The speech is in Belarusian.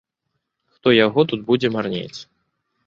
Хто яго тут будзе марнець.